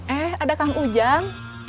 eh ada kang ujan